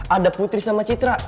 ada putri sama citra